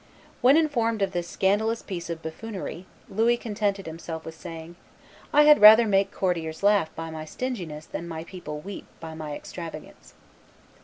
When informed of this scandalous piece of buffoonery, Louis contented himself with saying, "I had rather make courtiers laugh by my stinginess than my people weep by my extravagance."